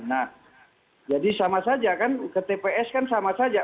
nah jadi sama saja kan ke tps kan sama saja